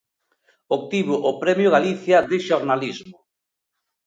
Obtivo o Premio Galicia de Xornalismo.